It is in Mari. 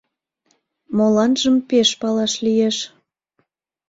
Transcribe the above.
Моланжым пеш палаш лиеш.